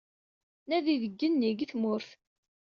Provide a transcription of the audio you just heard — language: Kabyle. Nadi deg yigenni, deg tmurt.